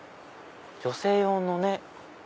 女性用のね